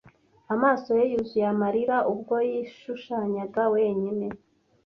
Amaso ye yuzuye amarira ubwo yishushanyaga wenyine.